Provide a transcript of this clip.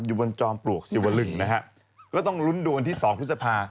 อยู่บนจอมปลวกสิวลึ่งนะฮะก็ต้องลุ้นดวนที่สองพฤษภา